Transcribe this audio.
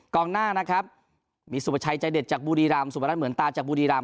หน้านะครับมีสุประชัยใจเด็ดจากบุรีรำสุพรัฐเหมือนตาจากบุรีรำ